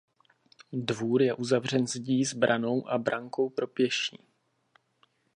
Dvůr je uzavřen zdí s branou a brankou pro pěší.